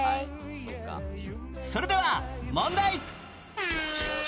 それでは問題